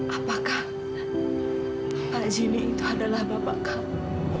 apakah pak jinny itu adalah bapak kamu